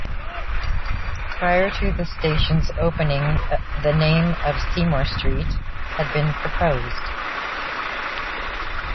Prior to the station's opening, the name of "Seymour Street" had been proposed.